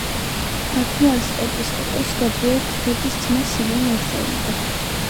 აქ მას ეპისკოპოს გაბრიელ ქიქოძის ძმა სიმონი ასწავლიდა.